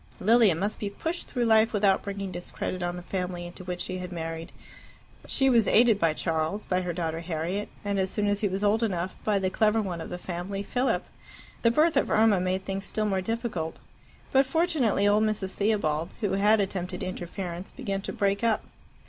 Lilia must be pushed through life without bringing discredit on the family into which she had married. She was aided by Charles, by her daughter Harriet, and, as soon as he was old enough, by the clever one of the family, Philip. The birth of Irma made things still more difficult. But fortunately old Mrs. Theobald, who had attempted interference, began to break up.